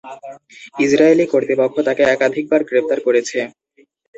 Israeli কর্তৃপক্ষ তাকে একাধিকবার গ্রেফতার করেছে।